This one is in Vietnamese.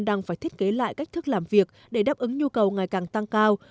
đang phải thiết kế lại cách thức làm việc để đáp ứng nhu cầu ngày càng tăng cao